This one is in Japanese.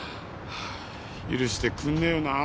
許してくんねえよなぁ